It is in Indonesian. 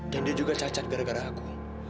dan dia juga cacat gara gara aku